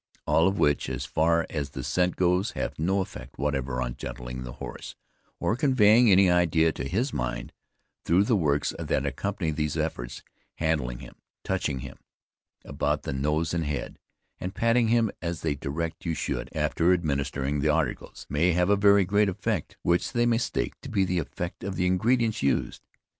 All of which, as far as the scent goes have no effect whatever in gentling the horse, or conveying any idea to his mind; though the works that accompany these efforts handling him, touching him about the nose and head, and patting him, as they direct you should, after administering the articles, may have a very great effect, which they mistake to be the effect of the ingredients used.